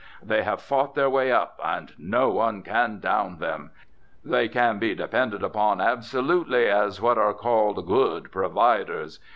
They have fought their way up, and no one can down them. They can be depended upon absolutely as what are called 'good providers.'